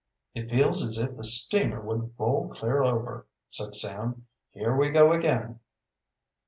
"It feels as if the steamer would roll clear over," said Sam. "Here we go again!"